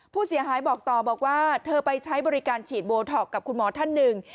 ผู้เสียหายบอกต่อบอกว่าเธอไปใช้บริการฉีดโบท็อกกับคุณหมอท่านหนึ่ง